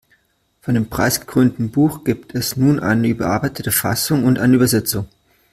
Von dem preisgekrönten Buch gibt es nun eine überarbeitete Fassung und eine Übersetzung.